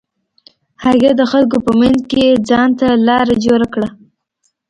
هغې د خلکو په منځ کښې ځان ته لاره جوړه کړه.